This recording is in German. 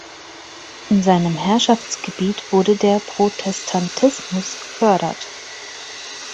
In seinem Herrschaftsgebiet wurde der Protestantismus gefördert.